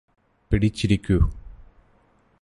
പിടിച്ചിരിക്കു